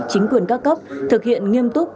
chính quyền các cấp thực hiện nghiêm túc